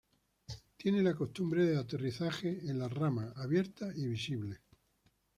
Tiene la costumbre de aterrizaje en las ramas abiertas y visibles.